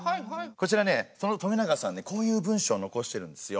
こちらねその冨永さんねこういう文章を残してるんですよ。